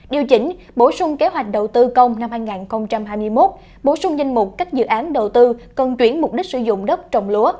điều chỉnh bổ sung kế hoạch đầu tư công năm hai nghìn hai mươi một bổ sung danh mục các dự án đầu tư cần chuyển mục đích sử dụng đất trồng lúa